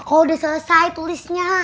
kok udah selesai tulisnya